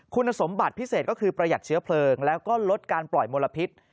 คุณสมบัติพิเศษก็คือประหยัดเชื้อเพลิงแล้วก็ลดการปล่อยมลพิษ